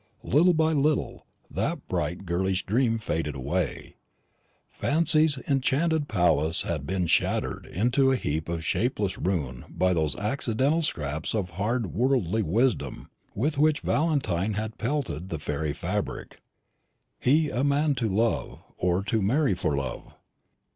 Little by little that bright girlish dream had faded away. Fancy's enchanted palace had been shattered into a heap of shapeless ruin by those accidental scraps of hard worldly wisdom with which Valentine had pelted the fairy fabric. He a man to love, or to marry for love!